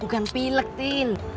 bukan pilek tin